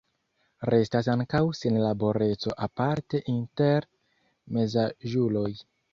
Restas ankaŭ senlaboreco aparte inter mezaĝuloj.